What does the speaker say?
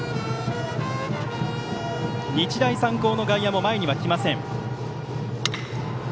日大三高の外野も前には来ません。